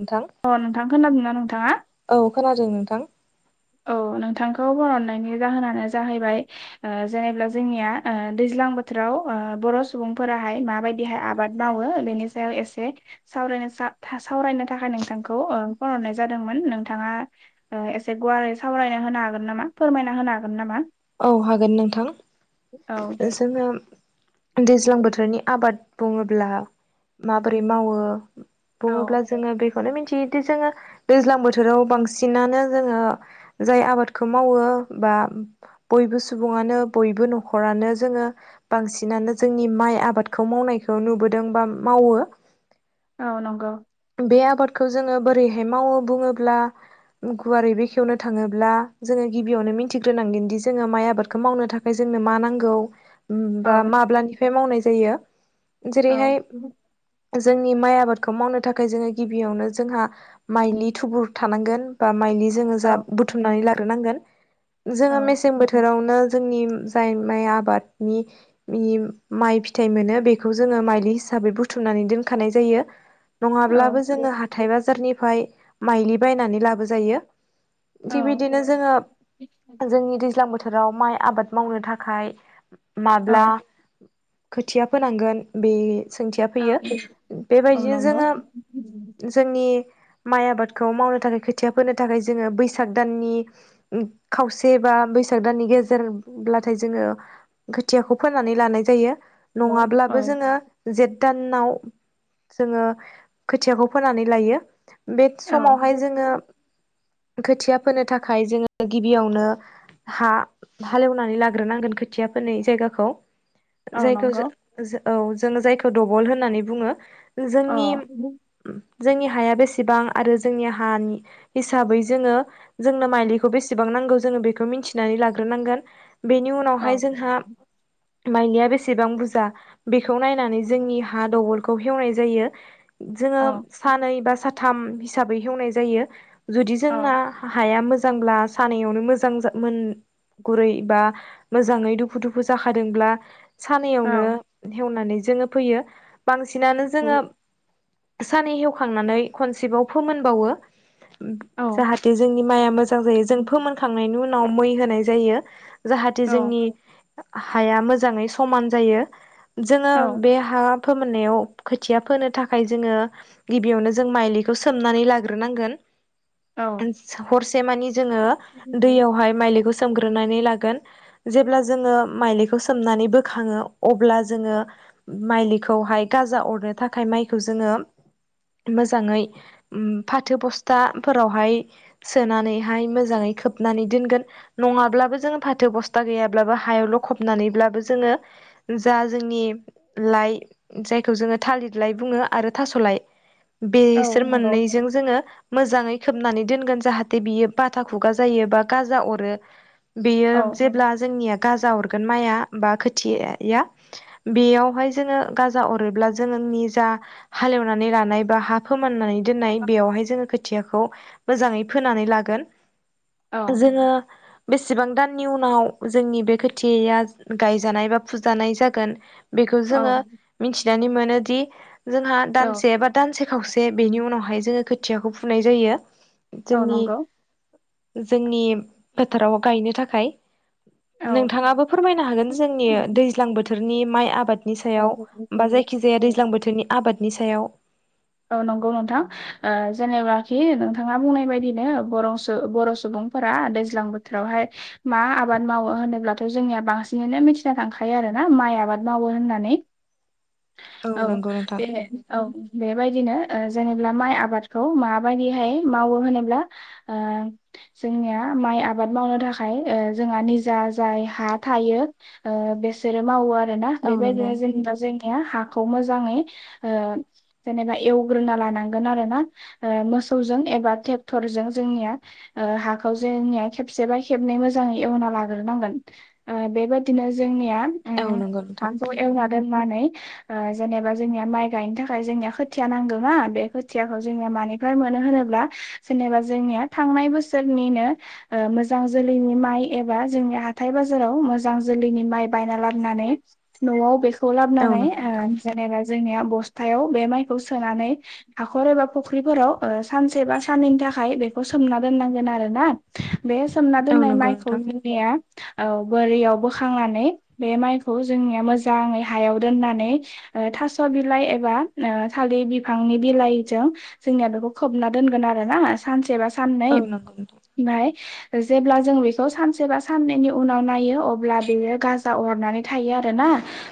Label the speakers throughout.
Speaker 1: नोंथां
Speaker 2: अ नोंथां खोनादोंना नोंथाङा
Speaker 1: औ खोनादों नोंथां
Speaker 2: औ नोंथांखौ बरननायनि जाहोनानो जाहैबाय जेनेबा जोंनिया दैज्लां दैज्लां बोथोराव बर' सुबुंफोराहाय माबायदिहाय आबाद मावो बेनि सायाव एसे सावराय सावरायनो थाखाय नोंथांखौ फन हरनाय जादोंमोन नोंथाङा एसे गु सावरायना होनो हागोन नामा फोरमायना होनो हागोन नामा
Speaker 1: औ हागोन नोंथां
Speaker 2: औ
Speaker 1: जोङो दैज्लां बोथोरनि आबाद बुङोब्ला माबोरै मावो
Speaker 2: औ
Speaker 1: बुङोब्ला जोङो बे बेखौनो मिथियोदि जोङो दैज्लां बोथोराव बांसिनानो जोङो जाय आबादखौ मावो बा बयबो सुबुङानो बयबो न'खरानो जोङो बांसिनानो जोंनि माइ आबादखौ माव मावनायखौ नुबोदों बा मावो
Speaker 2: औ नंगौ
Speaker 1: बे आबादखौ जोङो बोरैहाय मावो बुङोब्ला गुवारै बेखेवनो थाङोब्ला जोङो गिबियावनो मिथिग्रोनांगोनदि जोङो माइ आबादखौ मावनो थाखाय जों नो मा नांगौ
Speaker 2: औ
Speaker 1: बा माब्लानिफ्राय मावनाय जायो
Speaker 2: औ
Speaker 1: जेरैहाय जोंनि माइ आबादखौ मावनो थाखाय जों गिबियावनो जोंहा मायलिनि थुबुर थानांगोन बा मायलि जोङो
Speaker 2: औ
Speaker 1: जा बुथुमनानै लाग्रोनांगोन जोङो
Speaker 2: औ
Speaker 1: मेसें बोथोरावनो जोंनि जाय माइ आबादनि माइ फिथाइ मोनो बेखौ जोङो माइलि हिसाबै हिसाबै बुथुमनानै दोनखानाय जायो
Speaker 2: औ
Speaker 1: नङाब्लाबो जोङो हाथाय बाजारनिफ्राय माइलि बायनानै लाबोजायो थिग
Speaker 2: औ
Speaker 1: बिदिनो जोङो जोंनि दैज्लां बोथोर बोथोराव माइ आबाद मावनो थाखाय माब्ला
Speaker 2: औ
Speaker 1: खोथिया फोनांगोन बे सोंथिया फैयो
Speaker 2: औ
Speaker 1: बेबायदिनो
Speaker 2: नंगौ
Speaker 1: जोङो जोंनि माइ आबादखौ मावनो थाखाय खोथिया फोनो थाखाय जोङो बैसाग दाननि खावसे बा हा बैसाग दाननि गेजेरब्लाथाय जोङो खोथियाखौ फोननानै लानाय जायो
Speaker 2: औ औ
Speaker 1: नङाब्लाबो जोङो जेट दानाव जोङो खोथियाखौ फोनानै लायो बे
Speaker 2: औ
Speaker 1: समावहाय जोङो खोथिया फोनो थाखाय जोङो गिबियावनो हा हालेवनानै लाग्रोनांगोन खोथियाफोनाय जायगाखौ
Speaker 2: औ
Speaker 1: जायखौ
Speaker 2: नंगौ
Speaker 1: जों औ जोङो जायखौ दबल होननानै बुङो
Speaker 2: औ
Speaker 1: जोंनि जोंनि हाया बेसेबां आरो जोंनि हानि हिसाबै जोङो जोंनो माइलिखौ बे बेसेबां नांगौ जों बेखौ मोनथिना लाग्रोनांगोन बेनि
Speaker 2: औ
Speaker 1: उनावहाय जोंहा माइलिया बेसेबां बुरजा बेखौ नायनानै जोंनि हा दबलखौ‌ एवनाय जायो जोडों
Speaker 2: औ
Speaker 1: सानै बा साथाम थाम हिसाबै हेवनाय जायो जुदि
Speaker 2: औ
Speaker 1: जोंना हाया मोजां मोजांब्ला सानायावनो मोजां मोन गुरै बा मोजाङै दुफु दुफु जाखादोंब्ला
Speaker 2: औ
Speaker 1: सानैयावनो हेवनानै जोङो फैयो बांसिनानो जोङो सानै हेवखांनानै खनसेबाव फोमोनबावो जाहाथे जोंनि माइआ मोजां जायो जों फोमोनखांनायनि उनाव मै होनाय जायो जाहाथे
Speaker 2: औ
Speaker 1: जोंनि हाया मोजाङै समान जायो जोङो
Speaker 2: औ
Speaker 1: बे हा फोमोननायाव खोथिया फोनो थाखाय थाखाय जोङो गिबियावनो जों माइलिखौ सोमनानै लाग्रोनांगोन हरसे मानि जोङो दैयावहाय म सोमग्रोनानै लागोन जेब्ला जोङो माइलिखौ सोमनानै बोखाङो अब्ला जोङो माइलिखौहाय गाजा अरनो थाखाय माइखौ जोङो मोजाङै फाथो बस्थाफोरावहाय सोनानैहाय मोजाङै खोबनानै दोनगोन नङाब्लाबो जोङो फाथो बस्था गैयाब्लाबो हायावल' खबनानैब्लाबो जोङो जा जोंनि लाइ जायखौ जोङो थालिर लाइ बुङो आरो थासलाय
Speaker 2: औ
Speaker 1: बेसोर
Speaker 2: नंगौ
Speaker 1: मोननैजों जोङो मोजाङै खोबनानै दोनगोन जाहाथे बियो बाथा खुगा जायो बा गाजा अरो बेयो
Speaker 2: औ
Speaker 1: जेब्ला जोंनिया गाजा हरगोन माइआ बा खोथिया बेयावहाय जोङो गाजा अरोब्ला जों जा हालेवनानै लानाय बा हा फोमाननानै दोननाय बेयावहाय जोङो खोथियाखौ मोजाङै होनानै लागोन
Speaker 2: औ
Speaker 1: जोङो बेसेबां दाननि उनाव जोंनि बे खोथियाया गायजानाय बा फुजानाय जागोन बेखौ
Speaker 2: औ
Speaker 1: जोङो मिथिनानै मोनोदि जोंहा
Speaker 2: औ
Speaker 1: दानसे एबा दानसे खावसे बेनि उनावहाय जोङो खोथियाखौ फुनाय जायो ।
Speaker 2: औ नंगौ
Speaker 1: जोंनि फोथाराव गायनो थाखाय
Speaker 2: औ
Speaker 1: नोंथाङाबो फोरमायनो हागोन जोंनि दैज्लां बोथोरनि माइ आबाद नि सायाव बा जायखि जाया दैज्लां बोथोरनि आबादनि सायाव ।
Speaker 2: औ नंगौ नोंथां ओ जेनेबाखि नोंथाङा बुंनाय बायदिनो बरं बर' सुबुं सुबुंफोरा दैज्लां बोथोरावहाय मा आबाद मावो होनोब्लाथ' जोंनिया बांसिनैनो मिथिना थांखायो आरो माइ आबाद मावो होननानै औ
Speaker 1: नंगौ नोंथां
Speaker 2: बे औ बेबादिनो ओ माइ आबादखौ मा बायदिहाय मावो होनोब्ला ओ जों निया माइ आबाद मावनो थाखाय ओ जोंहा निजा जाय हा थायो बे सोरो मावो आरोना
Speaker 1: औ नंगौ
Speaker 2: बेबायदिनो जेनबा जोंनिया हाखौ मोजाङै ओ जेनेबा एवग्रोना लानांगोन आरो ना ओ मोसौजों एबा ट्रेक्टरजों जोंनिया । हाखौ जोंनिया खेबसेबा खेबनै मोजाङै एवना लाग्रोनांगोन ओ बेबादिनो जोंनिया ओम
Speaker 1: औ नंगौ नोंथां
Speaker 2: हाखौ एवना दोननानै ओ जेनेबा जोंनिया माइ गायनो थाखाय जोंनि खोथिया नांगौ ना बे खोथियाखौ जोंनिया मानिफ्राय मोनो होनोब्ला जेनेबा जोंनिया थांनाय बोसोराव मोजां जोलैनि माइ एबा जोंनि हाथाय बाजाराव मोजां जोलैनि माइ बाय ना लाबोनानै न'आव बेखौ
Speaker 1: औ
Speaker 2: लाबोनानै
Speaker 1: नंगौ
Speaker 2: ओ
Speaker 1: नोंथां
Speaker 2: जेनेबा जोंनिया बस्थायाव बे माय खौ सोनानै हाख'र एबा फुख्रिफोराव ओ सानसे बा साननैनि थाखाय बेखौ सोमना दोननांगोन आ रो ना बे सोमना
Speaker 1: औ
Speaker 2: दोननाय
Speaker 1: नंगौ
Speaker 2: माइखौ
Speaker 1: नोंथां
Speaker 2: जोंनिया औ बोरियाव बोखांनानै बे माइखौ जोंनिया मोजाङै हायाव दोननानै ओ थास' बिलाइ एबा ओ थालिर बिफांनि बिलाइजों जोंनिया बेखौ खोबना दोनगोन आरोना सानसे बा सा ननै
Speaker 1: औ नंगौ नोंथां
Speaker 2: ओमफाय जेब्ला जों बेखौ सानसे बा साननैनि उनाव नायो अब्ला बेयो गाजा अरनानै थायो आ रोना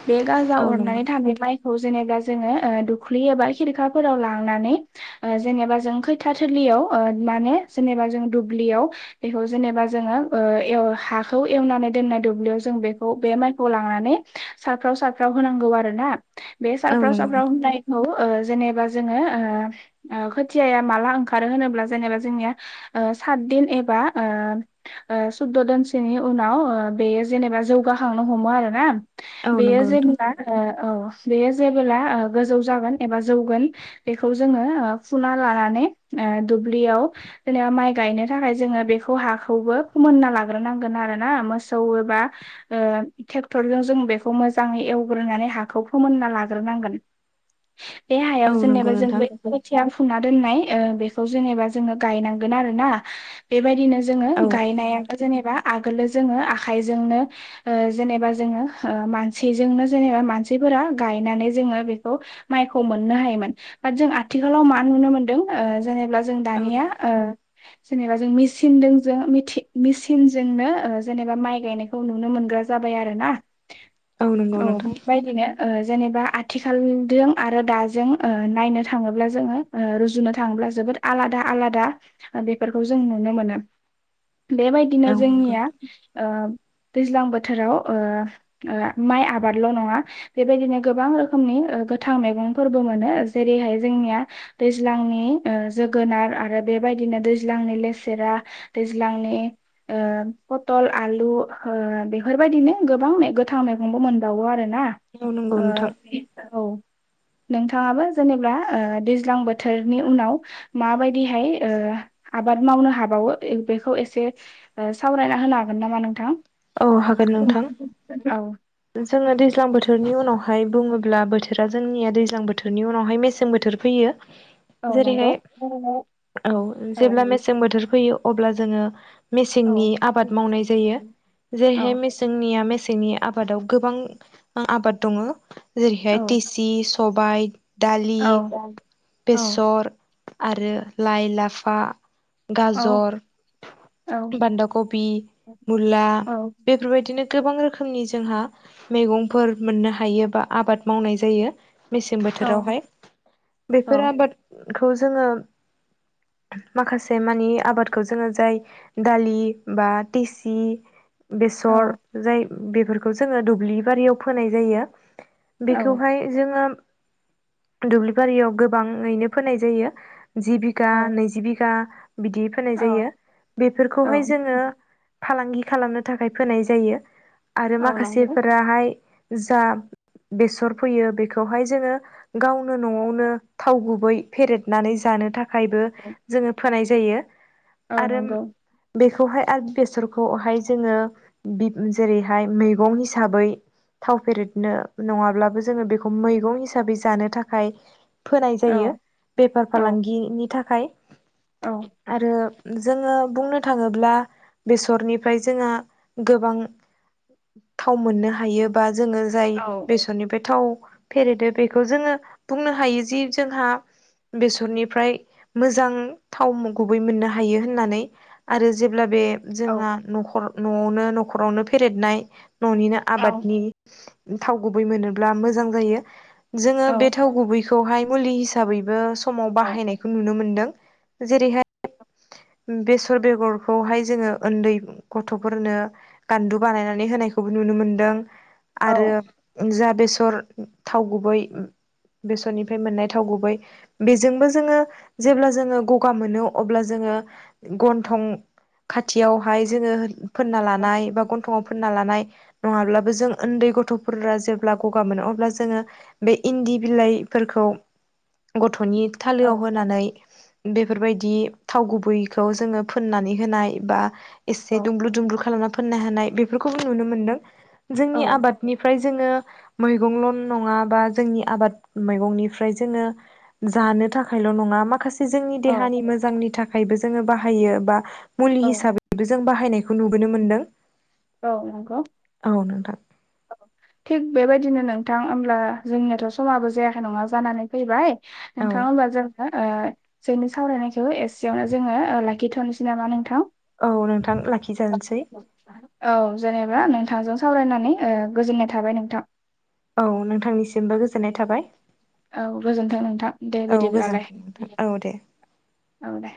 Speaker 2: बे गजा
Speaker 1: औ
Speaker 2: अरनानै थानाय माइखौ जेनेबा जोङो ओ दुब लि बा खिरखाफोराव लांनानै ओ जेनेबा जों खोयथिया थिलियाव ओ माने जेनेबा दुब्लियाव बेखौ जेनेबा जोङो ओ हाखौ एवनानै दोननाय दुब्लियाव जों बे खौ बु माइखौ लांनानै सारफ्राव सारफ्राव होनांगौ आरो ना बे सारफ्राव
Speaker 1: नंगौ
Speaker 2: सारफ्राव
Speaker 1: नोंथां
Speaker 2: होनाय खौ ओ जेनेबा जोङो ओ खोथियाया माला ओंखारो होनोब्ला जेनेबा जोंनि ओ सातदिन एबा ओ ओ सुद्द दिनसोनि उनाव ओ बेयो जेनेबा जौ लांनो हमो आरोना ।
Speaker 1: औ
Speaker 2: बेयो
Speaker 1: नंगौ नोंथां
Speaker 2: जेबोला ओ औ बेयो जेबोला ओ गोजौ जागोन एबा जौगौन बेखौ जोङो ओ फुना लानानै ओ दुब्लियाव जेने बा माइ गायनो थाखाय जोङो बेखौ हाखौबो खुमोनना लाग्रोनांगोन आरो ना मोसौ एबा ओ ट्रेक्टरजों जों बेखौ मोजाङै एवग्रोनानै हाखौ फोमोनना लाग्रोनांगोन । बे हायाव
Speaker 1: औ नंगौ
Speaker 2: जेनेबा
Speaker 1: नोंथां
Speaker 2: जोंबो खोथिया फुना दोननाय ओ बेखौ जेनेबा जोङो गयनांगोन आरो ना बेदिनो जोङो
Speaker 1: औ नंगौ नोंथां औ
Speaker 2: गायनायाथ' जेनेबा आगोलो जोङो आखायजोंनो ओ जेनेबा जोङो ओ मानसिजोंनो जेनेबा मानसि फोरा गायनानै जोङो बे खौ माइखौ मोननो हायोमोन बाथ जों आथिखालाव मा नुनो मोनदों ओ जेनेबा जों
Speaker 1: औ
Speaker 2: दानिया ओ जेनेबा जों मिचिनदोंजों मिथि मिचिनजोंनो ओ जेनेबा माइ गायनायखौ नुनो मोन ग्रा जाबाय आरोना
Speaker 1: नंगौ नोंथां नंगौ
Speaker 2: औ
Speaker 1: नोंथां
Speaker 2: फ्राय बेनो ओ जेनेबा आथि खालजों आरो दाजों ओ नायनो थाङोब्ला जोङो ओ रुजुनो थाङोब्ला जोबोद आलादा आलादा दा बेफोरखौ जों नुनो मोनो । बेबायदिनो जोंनिया ओ दैज्लां बोथोराव ओ ओ माइ आबादल' नङा बेबायदिनो गोबां रोखोम रोखोमनि ओ गोथां मैगं फोरबो मोनो जेरैहाय जोंनिया दैज्लांनि ओ जोगोनार आरो बेबायदिनो दैज्लांनि लेसेरा दैज्लांनि ओ पथ'ल आलु ओ बेफोरबायदिनो गोबां गोथां मैगंबो मोनबावो आरोना
Speaker 1: औ नंगौ
Speaker 2: ओ
Speaker 1: नोंथां
Speaker 2: औ नोंथाङाबो जेनेबा ओ दैज्लां बोथोरनि उनाव माबायदिहाय ओ आबाद मावनो हाबावो बेखौ एसे ओ सावरायना होनो हागोन नामा नोंथां?
Speaker 1: औ हागोन नोंथां
Speaker 2: औ
Speaker 1: जोङो दै ज्लां बोथोरनि उनावहाय बुङोब्ला बोथोरा जोंनिया दैज्लां बोथोरनि उनावहाय मेसें बोथोर फैयो
Speaker 2: औ नंगौ
Speaker 1: जेरैहाय
Speaker 2: औ
Speaker 1: औ जेब्ला मेसें बोथोर फैयो अब्ला जोङो
Speaker 2: औ
Speaker 1: मेसेंनि आबाद मावनाय जायो
Speaker 2: औ
Speaker 1: जेरैहाय मेसेंनिया मेसें नि आबादाव गोबां आबाद दङ जेरैहाय तेसि सबाय दालि
Speaker 2: औ औ
Speaker 1: बेसर आरो लाइ लाफा
Speaker 2: औ
Speaker 1: गाजर
Speaker 2: औ
Speaker 1: बान्दा कबि मुला बेफोरबायदिनो गोबां रोखोमनि जोंहा मैगंफोर मोननो हायो बा आबाद मावनाय जायो। मेसें बोथोरावहाय बेफोर आबादखौ जोङो माखासे मानि आबादखौ जोङो जाय दालि बा तेसि बेसर जाय बेफोरखौ जोङो दुब्लि बारियाव फोनाय जायो। बेखौहाय जोङो दुब्लि बारियाव गोबाङैनो फोनाय जायो जि बिघा नैजि बिघा बिदि फोनाय
Speaker 2: औ
Speaker 1: जायो
Speaker 2: औ
Speaker 1: बेफोरखौहाय जोङो फालांगि खालामनो थाखाय फोनाय जायो आरो
Speaker 2: औ नंगौ
Speaker 1: माखासेफोराहाय जा बेसर फोयो बेखौहाय जोङो गावनो न'आवनो थाव गुबै फेरेदनानै जानो था खायबो जोङो फोनाय जायो
Speaker 2: औ
Speaker 1: आरो
Speaker 2: नंगौ
Speaker 1: बे खौहाय आरो बेसरखौहाय जोङो बि जेरैहाय मैगं हिसाबै थाव फेरेदनो नङाब्लाबो जोङो बेखौ मैगं हिसाबै जानो थाखाय फोनाय
Speaker 2: औ
Speaker 1: जायो बेफार
Speaker 2: औ
Speaker 1: फालांगिनि थाखाय
Speaker 2: औ
Speaker 1: आरो जोङो बुंनो थाङोब्ला बेसरनि फ्राय जोंहा गोबां थाव मोननो हायो बा जोङो जाय बेसरनि बे थाव फेरेदो बेखौ जोङो बुंनो हायो जि जोंहा बेसरनिफ्राय मोजां थाव गुबै मोननो हायो होननानै आरो जेब्ला बे
Speaker 2: औ
Speaker 1: जोंहा न'खर न'आवनो न'खरावनो फेरदनाय न'निनो
Speaker 2: औ
Speaker 1: आबादनि थाव गुबै मोनोब्ला मोजां जायो जोङो बे
Speaker 2: औ
Speaker 1: थाव गुबैखौहाय मुलि हिसाबैबो समाव
Speaker 2: औ
Speaker 1: बाहायनायखौ नुनो मोनदों जेरैहाय
Speaker 2: [inaudible]
Speaker 1: बेसर बेगरखौहाय जोङो उन्दै गथ'फोरनो गान्दु बानायनानै होनायखौबो नु नुनो मोनदों
Speaker 2: औ
Speaker 1: आरो जा बेसर थाव गुबै बेसरनिफ्राय मोननाय थाव गुबै बेजोंबो जोङो जेब्ला जोङो गगा मोनो अब्ला जोङो गन्थं खाथियावहाय जोङो फोनना
Speaker 2: औ
Speaker 1: लानाय बा गन्थंआव फोनना लानाय नङाब्लाबो जों उन्दै गथ'फोरा जेब्ला गगा मोनो अब्ला जोङो बे इन्दि बिलाइफोरखौ गथ'नि थालोयाव होनानै बेफोरबायदि थाव गुबैखौ जोङो फोननानै होनाय बा एसे दुंब्रु दुंब्रु खालामना फोनना हानाय बेफोरखौ नुनो मोनदों जोंनि
Speaker 2: औ
Speaker 1: आबादनिफ्राय जोङो मैगंल' नङा बा जोंनि आबाद मैगंनिफ्राय जोङो जानो थाखायल' नङा माखासे जोंनि
Speaker 2: औ
Speaker 1: देहानि मोजांनि थाखायबो जोङो बाहायो बा मुलि
Speaker 2: औ
Speaker 1: हिसाबैबो जों बाहा हायनायखौ नुबोनो मोन्दों।
Speaker 2: औ नंगौ? औ थिग बेबायदिनो नोंथां होमब्ला जोंनियाथ' समाबो जायाखै नङा जानानै फैबाय
Speaker 1: औ
Speaker 2: नोंथां ओमबा जों ओ जोंनि सावरायनायखौ एसेयावनो जोङो ओ लाखिथ'नोसै नामा नोंथां?
Speaker 1: औ नोंथां लाखिजानोसै
Speaker 2: औ जेनेबा नों नोंथांजों सावरायनानै ओ गोजोननाय थाबाय नोंथां।
Speaker 1: औ नोंथांनिसिमबो गोजोननाय थाबाय।
Speaker 2: औ गोजोनथों नोंथां दे
Speaker 1: औ
Speaker 2: बिदिब्लालाय
Speaker 1: गोजोनथों नोंथां औ दे
Speaker 2: औ दे।